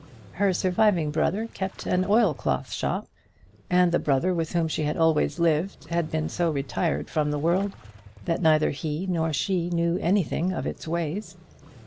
Her surviving brother kept an oilcloth shop, and the brother with whom she had always lived had been so retired from the world that neither he nor she knew anything of its ways.